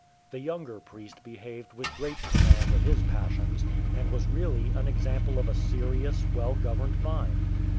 The younger priest behaved with great command of his passions, and was really an example of a serious, well governed mind.